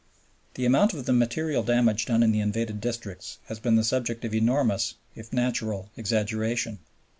The amount of the material damage done in the invaded districts has been the subject of enormous, if natural, exaggeration.